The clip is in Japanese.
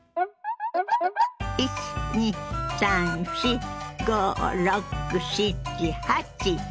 １２３４５６７８。